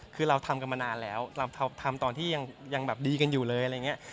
คือเราทำกันมานานแล้วทำตอนที่ยังดีกันอยู่เลย